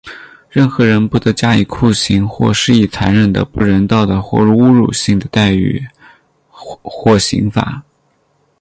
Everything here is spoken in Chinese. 任何人不得加以酷刑,或施以残忍的、不人道的或侮辱性的待遇或刑罚。